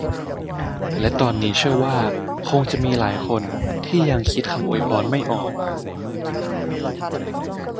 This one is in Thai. และตอนนี้เชื่อว่าคงจะมีหลายคนที่ยังคิดคำอวยพรไม่ออก